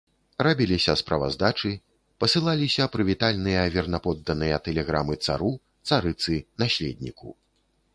Рабіліся справаздачы, пасылаліся прывітальныя вернападданыя тэлеграмы цару, царыцы, наследніку.